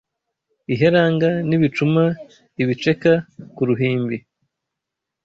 Iheranga n'ibicuma ibiceka ku ruhimbi